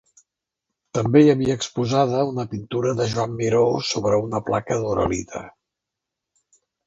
També hi havia exposada una pintura de Joan Miró sobre una placa d'Uralita.